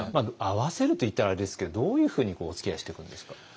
合わせると言ったらあれですけどどういうふうにおつきあいしていくんですか？